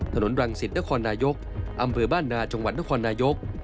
ถนนรังสิทธิ์นครนายกอำเบิด้านนาจงหวันคครนายก